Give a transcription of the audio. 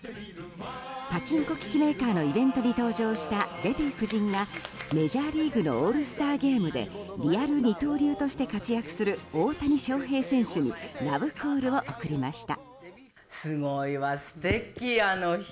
パチンコ機器メーカーのイベントに登場したデヴィ夫人がメジャーリーグのオールスターゲームでリアル二刀流として活躍する大谷翔平選手にラブコールを送りました。